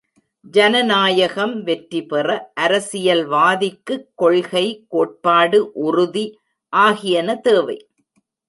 ஜனநாயகம் வெற்றி பெற அரசியல் வாதிக்குக் கொள்கை, கோட்பாடு உறுதி ஆகியன தேவை.